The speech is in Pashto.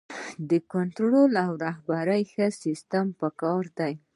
د کنټرول او رهبرۍ ښه سیستم پکار دی.